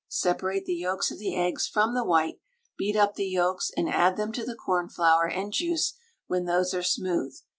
Separate the yolks of the eggs from the white; beat up the yolks and add them to the cornflour and juice when those are smooth.